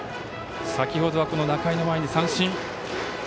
先ほどは仲井の前に三振。